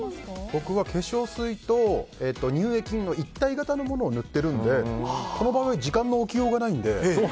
僕は化粧水と乳液の一体型のものを塗っているのでこの場合時間の置きようがないので。